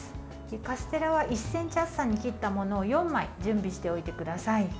カステラは１ｃｍ厚さに切ったものを４枚、準備しておいてください。